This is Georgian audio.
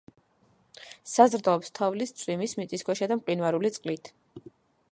საზრდოობს თოვლის, წვიმის, მიწისქვეშა და მყინვარული წყლით.